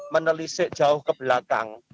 menelisik jauh ke belakang